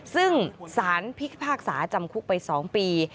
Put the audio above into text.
ซึ่งสารพิพากษาจำคุกไป๒ปี